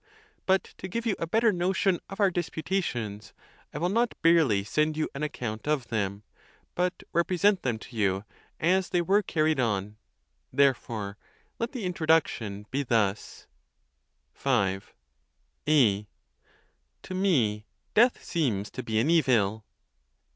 But to give you a better notion of our dispu tations, I will not barely send you an account of them, but represent them to you as they were carried on; therefore let the introduction be thus: V. A. To me death seems to be an evil.